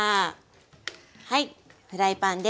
はいフライパンです。